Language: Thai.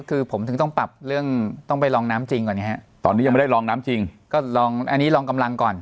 คือผมถึงต้องปรับเรื่องต้องไปลองน้ำจริงก่อนไงฮะตอนนี้ยังไม่ได้ลองน้ำจริงก็ลองอันนี้ลองกำลังก่อน